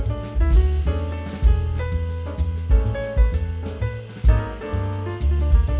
gak mau jadi kayak gini sih